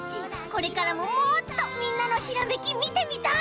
これからももっとみんなのひらめきみてみたい！